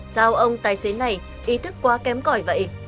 sao ông tài xế này ý thức quá kém còi vậy